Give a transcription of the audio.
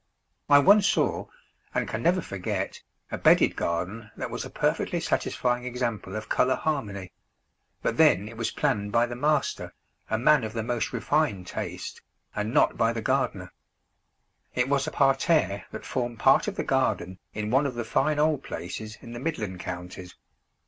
I once saw, and can never forget, a bedded garden that was a perfectly satisfying example of colour harmony; but then it was planned by the master, a man of the most refined taste, and not by the gardener. It was a parterre that formed part of the garden in one of the fine old places in the Midland counties.